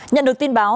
nhận được tin báo